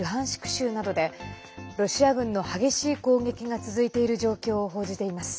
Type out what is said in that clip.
州などでロシア軍の激しい攻撃が続いている状況を報じています。